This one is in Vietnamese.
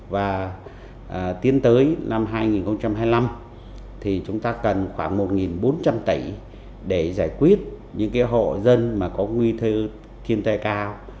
và tiến tới năm hai nghìn hai mươi năm chúng ta cần khoảng một bốn trăm linh tẩy để giải quyết những hộ dân có nguy thư thiên tài cao